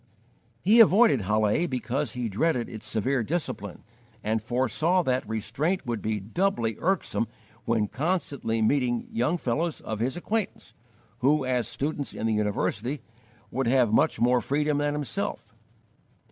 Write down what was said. He avoided Halle because he dreaded its severe discipline, and foresaw that restraint would be doubly irksome when constantly meeting young fellows of his acquaintance who, as students in the university, would have much more freedom than himself.